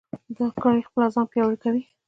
دا کړۍ خپله ځان پیاوړې کوي.